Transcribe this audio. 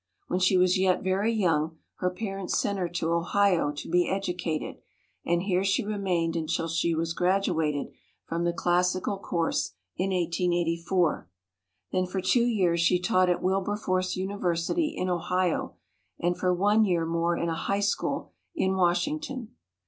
When she was yet very young her parents sent her to Ohio to be educated, and here she remained until she was graduated from the classical course in 1884. Then for two years she taught at Wilberforce University in Ohio, and for one year more in a high school in Washington.